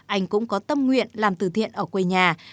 anh cũng có tâm nguyện làm từ thiện ở quê nhà